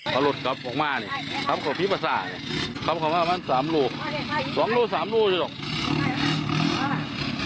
กลับเข้ามามันสามลูกสามลูกสามลูกอยู่ตรงนั้น